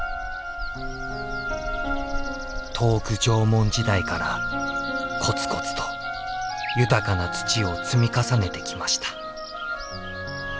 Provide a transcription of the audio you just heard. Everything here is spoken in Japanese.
遠く縄文時代からこつこつと豊かな土を積み重ねてきました。